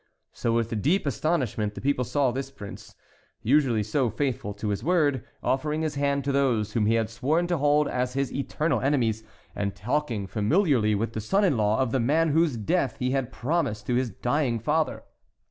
So with deep astonishment the people saw this prince, usually so faithful to his word, offering his hand to those whom he had sworn to hold as his eternal enemies, and talking familiarly with the son in law of the man whose death he had promised to his dying father.